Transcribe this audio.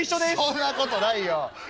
「そんなことないよ」。